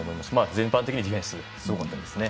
全般的にディフェンスがすごかったですね。